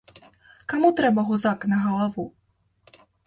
Каму трэба гузак на галаву?